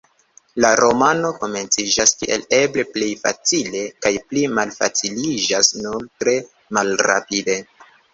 La romano komenciĝas kiel eble plej facile, kaj pli malfaciliĝas nur tre malrapide.